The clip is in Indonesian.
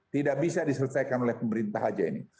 tidak bisa diselesaikan oleh pemerintah saja ini